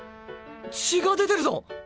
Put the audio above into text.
血が出てるぞ！